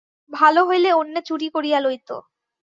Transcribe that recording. ভাল হইলে অন্যে চুরি করিয়া লইত।